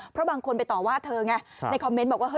เพราะบางคนไปต่อว่าเธอไงในคอมเมนต์บอกว่า